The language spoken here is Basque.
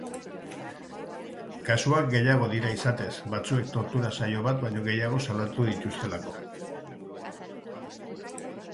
Kasuak gehiago dira izatez, batzuek tortura saio bat baino gehiago salatu dituztelako.